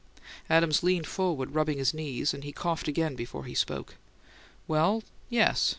Adams leaned forward, rubbing his knees; and he coughed again before he spoke. "Well, yes.